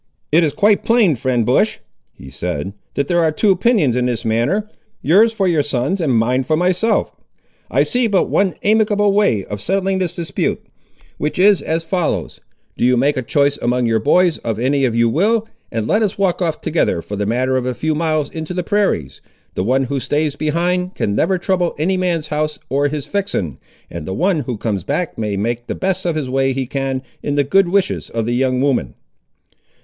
"It is quite plain, friend Bush," he said, "that there are two opinions in this matter; yours for your sons, and mine for myself. I see but one amicable way of settling this dispute, which is as follows:—do you make a choice among your boys of any you will, and let us walk off together for the matter of a few miles into the prairies; the one who stays behind, can never trouble any man's house or his fixen, and the one who comes back may make the best of his way he can, in the good wishes of the young woman."